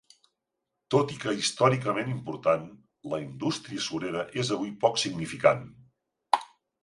Tot i que històricament important, la indústria surera és avui poc significant.